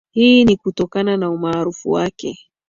hii ni kutokana na umaarufu wake